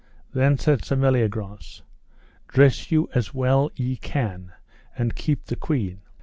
Then said Sir Meliagrance: Dress you as well ye can, and keep the queen.